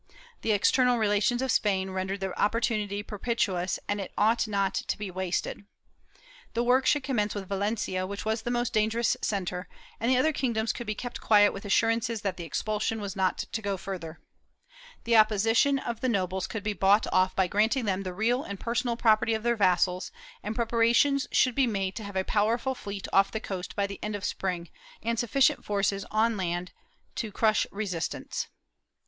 The external relations of Spain rendered the opportunity propitious and it ought not to be wasted. The work should commence with Valencia, which was the most dangerous • Boronat, I, 366. ' Ibidem, II, To, 98 111. 392 MOBISCOS , [Book VIII centre, and the other kingdoms could be kept quiet with assurances that the expulsion was not to go further. The opposition of the nobles could be bought off by granting them the real and personal property of their vassals, and preparations should be made to have a powerful fleet off the coast by the end of Spring, and sufficient forces on land to crush resistance.